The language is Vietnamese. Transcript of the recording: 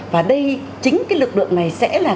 và đây chính cái lực lượng này sẽ là